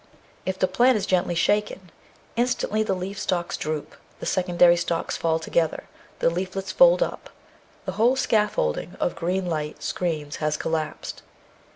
If the plant Natural History 643 is gently shaken, instantly the leaf stalks droop, the secondary stalks fall together, the leaflets fold up ; the whole scaffolding of green light screens has collapsed.